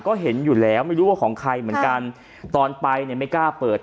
ก็เห็นอยู่แล้วไม่รู้ว่าของใครเหมือนกันตอนไปเนี่ยไม่กล้าเปิด